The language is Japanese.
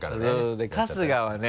で春日はね